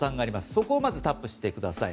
そこをまずタップしてください。